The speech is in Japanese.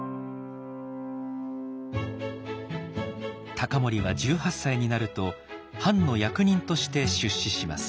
隆盛は１８歳になると藩の役人として出仕します。